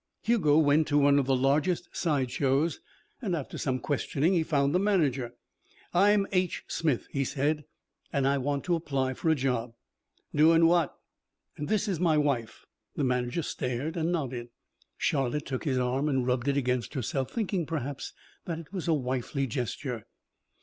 Hugo went to one of the largest side shows. After some questioning he found the manager. "I'm H. Smith," he said, "and I want to apply for a job." "Doin' what?" "This is my wife." The manager stared and nodded. Charlotte took his arm and rubbed it against herself, thinking, perhaps, that it was a wifely gesture.